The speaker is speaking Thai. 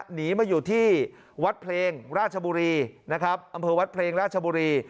หนีมาอยู่ที่วัดเพลงราชบุรีนะครับอำเภอวัดเพลงราชบุรี